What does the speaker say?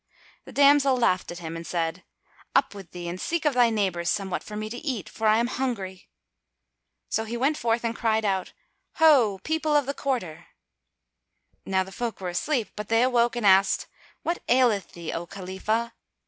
The damsel laughed at him and said, "Up with thee and seek of thy neighbours somewhat for me to eat, for I am hungry." So he went forth and cried out, "Ho, people of the quarter!" Now the folk were asleep; but they awoke and asked, "What aileth thee, O Khalifah?"